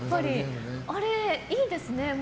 あれいいですね。